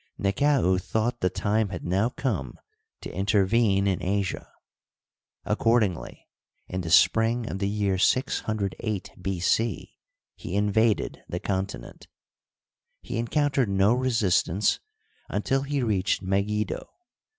Nekau thought the time had now come to intervene in Asia. Accordingly, in the spring of the year 608 B. c, he invaded the continent. He encountered no resistance until he reached Megiddo.